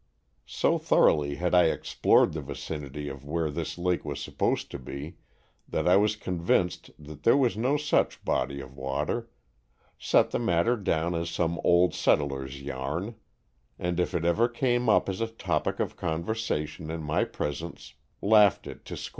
So thoroughly had I explored the vicinity of where this lake was supposed to be that I was convinced that there was no such body of water, set the matter down as some old settler's yarn, and if it ever came up as a topic of conversation in my presence laughed it to scorn.